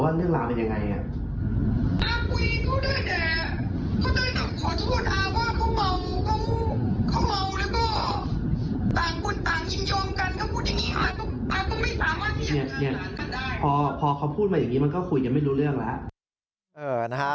ว่าเรื่องราวเป็นอย่างไร